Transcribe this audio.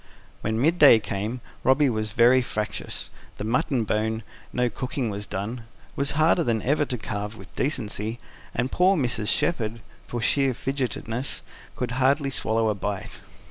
When midday came, Robby was very fractious. The mutton bone no cooking was done was harder than ever to carve with decency; and poor Mrs. Shepherd, for sheer fidgetiness, could hardly swallow a bite.